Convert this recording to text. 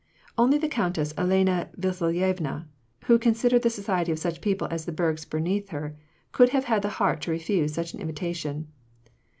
Only the Countess Elena Vasilyevna, who considered the society of such people as the Bergs beneath her, could have had the heart to refuse such an invitation.